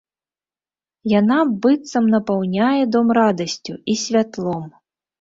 Яна быццам напаўняе дом радасцю і святлом.